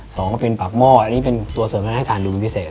ก็เป็นปากหม้ออันนี้เป็นตัวเสริมให้ทานดูเป็นพิเศษ